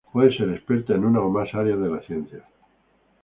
Puede ser experta en una o más áreas de la ciencia.